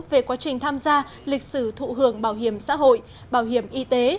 về quá trình tham gia lịch sử thụ hưởng bảo hiểm xã hội bảo hiểm y tế